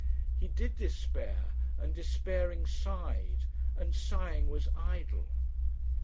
He did despair; and despairing sighed, and sighing was idle.